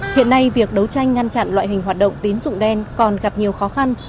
hiện nay việc đấu tranh ngăn chặn loại hình hoạt động tín dụng đen còn gặp nhiều khó khăn